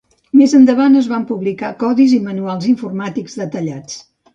Més endavant es van publicar codis i manuals informàtics detallats.